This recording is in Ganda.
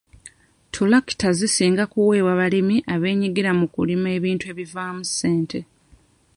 Ttulakita zisinga kuweebwa balimi abeenyigira mu kulima ebintu ebivaamu ssente.